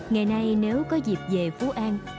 ngày nay nếu có dịp về phú an